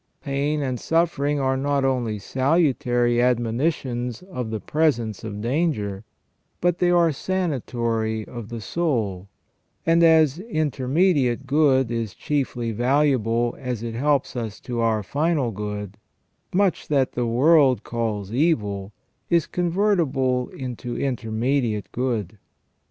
Pain and suffering are not only salutary admonitions of the presence of danger, but they are sanatory of the soul, and as intermediate good is chiefly valuable as it helps us to our final good, much that the world calls evil is con vertible into intermediate good.